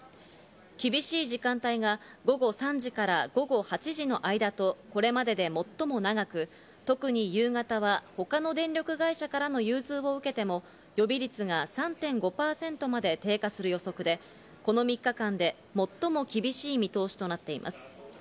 厳しい時間帯が午後３時から午後８時の間と、これまでで最も長く特に夕方は他の電力会社からの融通を受けても予備率が３．５％まで低下する予測で、この３日間で最も厳しい見通しとなっています。